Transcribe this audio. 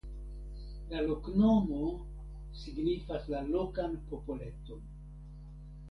La loknomo signifas la lokan popoleton.